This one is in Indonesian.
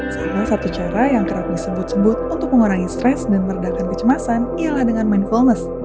salah satu cara yang kerap disebut sebut untuk mengurangi stres dan meredakan kecemasan ialah dengan mindfulness